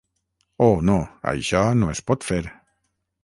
Oh, no, això no es pot fer.